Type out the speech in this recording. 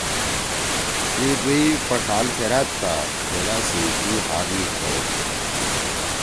اِی دُوئی پݜال پھرأد تا بیلأ سی دُوئی ہات ئی کڑ ہُو!